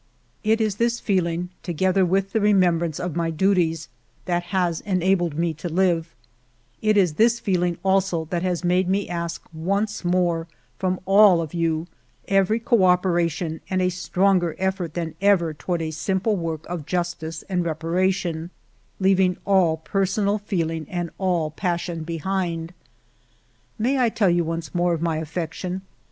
ALFRED DREYFUS 263 " It is this feeling, together with the remem brance of my duties, that has enabled me to live ; it is this feeling also that has made me ask once more from all of you every co operation and a stronger effort than ever toward a simple work of justice and reparation, leaving all personal feeling and all passion behind. " May I tell you once more of my affection